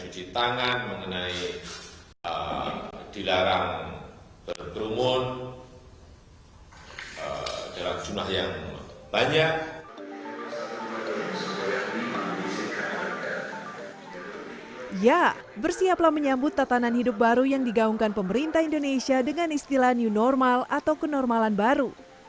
ya bersiaplah menyambut tatanan hidup baru yang digaungkan pemerintah indonesia dengan istilah new normal atau kenormalan baru